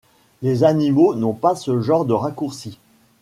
Les animaux n’ont pas ce genre de raccourcis.